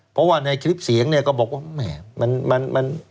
เพราะว่าในคลิปเสียงก็บอกว่าแหม่มัน